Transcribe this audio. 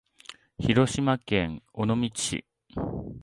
広島県尾道市